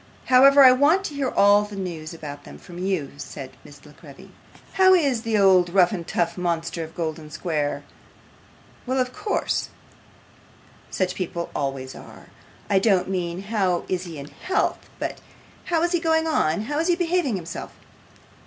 'However, I want to hear all the news about them from you,' said Miss La Creevy. 'How is the old rough and tough monster of Golden Square? Well, of course; such people always are. I don't mean how is he in health, but how is he going on: how is he behaving himself?